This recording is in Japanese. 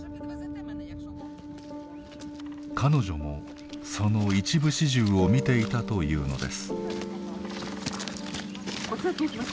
彼女もその一部始終を見ていたというのです。